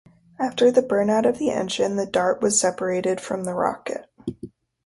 After the burnout of the engine the dart was separated from the rocket.